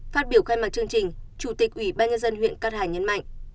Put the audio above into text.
phát biểu khai mạc chương trình chủ tịch ủy ban nhân dân huyện cát hải nhấn mạnh